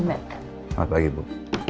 selamat pagi bu